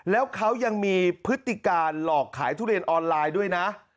แล้วเขายังมีพฤติการหลอกขายทุเรียนออนไลน์ด้วยนะ